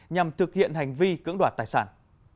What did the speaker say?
nhằm thực hiện hành vi cưỡng đoạt tài sản